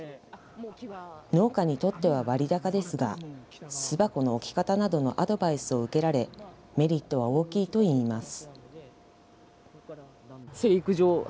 農家にとっては割高ですが、巣箱の置き方などのアドバイスを受けられ、メリットは大きいといいます。